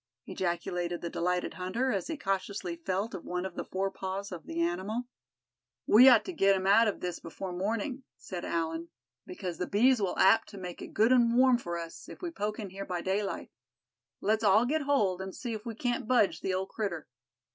ejaculated the delighted hunter, as he cautiously felt of one of the forepaws of the animal. "We ought to get him out of this before morning," said Allan; "because the bees will be apt to make it good and warm for us, if we poke in here by daylight. Let's all get hold, and see if we can't budge the old critter."